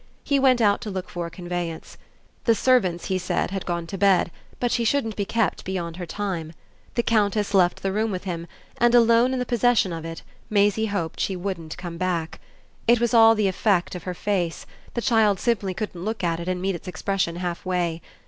He went out to look for a conveyance; the servants, he said, had gone to bed, but she shouldn't be kept beyond her time. The Countess left the room with him, and, alone in the possession of it, Maisie hoped she wouldn't come back. It was all the effect of her face the child simply couldn't look at it and meet its expression halfway.